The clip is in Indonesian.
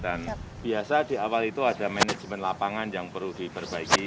dan biasa di awal itu ada manajemen lapangan yang perlu diperbaiki